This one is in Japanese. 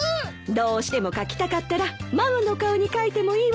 どうしても書きたかったらママの顔に書いてもいいわよ。